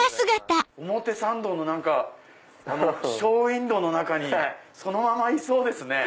表参道のショーウインドーの中にそのままいそうですね。